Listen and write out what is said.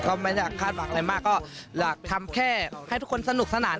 ก็ไม่ได้คาดหวังอะไรมากก็อยากทำแค่ให้ทุกคนสนุกสนาน